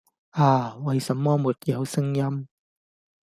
啊！為何沒有聲音？